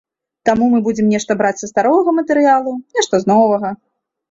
Таму мы будзем нешта браць са старога матэрыялу, нешта з новага.